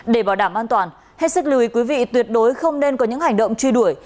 để bảo đảm an toàn hết sức lưu ý quý vị tuyệt đối không nên có những hành động truy đuổi